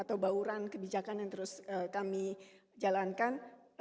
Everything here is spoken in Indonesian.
atau bauran kebijakan yang terus kami jalankan